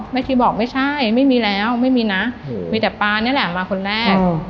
ชีบอกไม่ใช่ไม่มีแล้วไม่มีนะมีแต่ป๊านี่แหละมาคนแรก